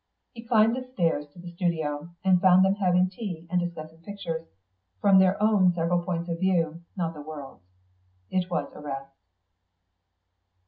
He climbed the stairs to the studio, and found them having tea and discussing pictures, from their own several points of view, not the world's. It was a rest.